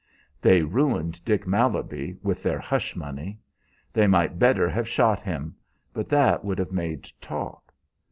"They ruined Dick Malaby with their hush money. They might better have shot him, but that would have made talk.